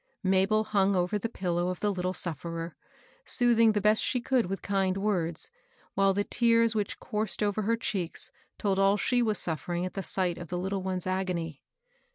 Mabel hung over the pillow of the little sufferer, soothing the best she could with kind words, while the tears which coursed over her cheeks told all she was suffering at the sight of the little one's agony.